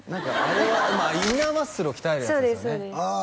インナーマッスルを鍛えるやつですよね